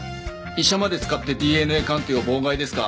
医者まで使ってＤＮＡ鑑定を妨害ですか？